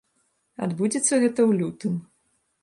Адбудзецца гэта ў лютым.